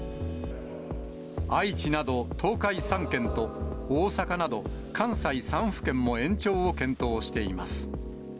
愛知など東海３県と、大阪など関西３府県も延長を検討しています。